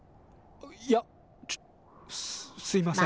いやちょすいません。